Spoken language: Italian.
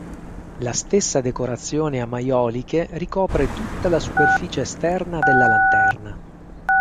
La stessa decorazione a maioliche ricopre tutta la superficie esterna della lanterna.